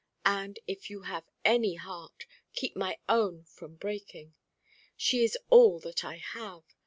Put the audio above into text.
And, if you have any heart, keep my own from breaking. She is all that I have.